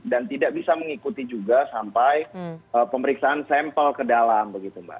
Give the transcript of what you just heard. dan tidak bisa mengikuti juga sampai pemeriksaan sampel ke dalam begitu mbak